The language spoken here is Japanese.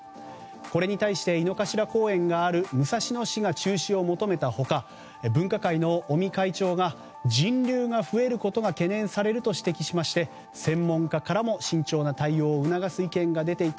これに対して井の頭公園がある武蔵野市が中止を求めた他分科会の尾身会長が人流が増えることが懸念されると指摘しまして専門家からも慎重な対応を促す意見が出ていた。